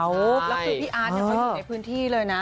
แล้วคือพี่อาร์ตเขาอยู่ในพื้นที่เลยนะ